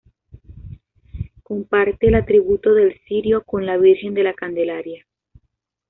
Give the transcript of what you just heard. Comparte el atributo del cirio con la Virgen de la Candelaria.